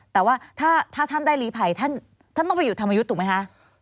แต่ว่าถ้าท่านได้ลีภัยท่านต้องไปอยู่ธรรมยุทธ์ถูกไหมคะ